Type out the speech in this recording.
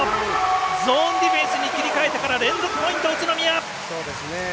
ゾーンディフェンスに切り替えてから連続ポイント、宇都宮！